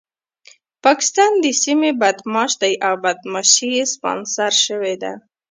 پاکستان د سيمې بدمعاش دی او بدمعاشي يې سپانسر شوې ده.